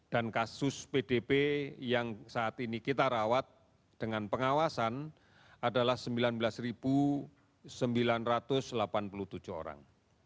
dan kasus pdb yang saat ini kita rawat dengan pengawasan adalah sembilan belas sembilan ratus delapan puluh tujuh orang